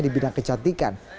di bidang kecantikan